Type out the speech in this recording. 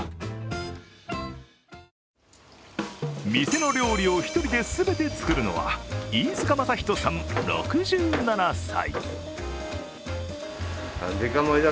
店の料理を１人で全て作るのは飯塚真人さん６７歳。